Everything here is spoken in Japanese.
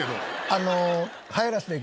あの。